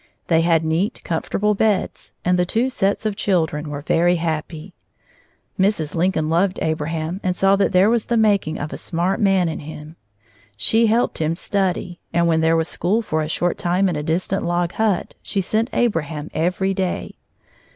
They had neat, comfortable beds, and the two sets of children were very happy. Mrs. Lincoln loved Abraham and saw that there was the making of a smart man in him. She helped him study, and when there was school for a short time in a distant log hut, she sent Abraham every day.